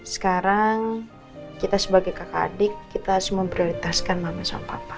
sekarang kita sebagai kakak adik kita harus memprioritaskan mama sama papa